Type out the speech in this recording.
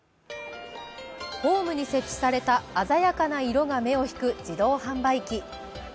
ホームに設置された鮮やかな色が目を引く自動販売機。